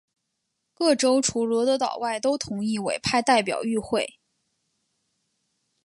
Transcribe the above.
各州除罗德岛外都同意委派代表与会。